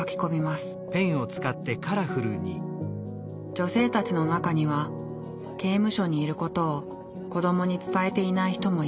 女性たちの中には刑務所にいることを子どもに伝えていない人もいます。